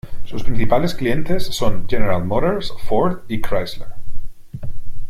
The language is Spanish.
Sus principales clientes son General Motors, Ford y Chrysler.